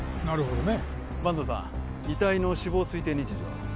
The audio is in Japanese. なるほどね阪東さん遺体の死亡推定日時は？